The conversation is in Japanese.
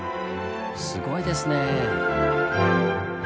すごいですね。